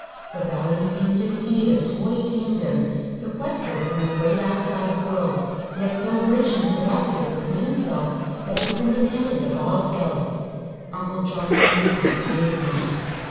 The valley seemed, indeed, a toy kingdom sequestered from the great outside world, yet so rich and productive within itself that it was independent of all else. Uncle John gazed with amazement.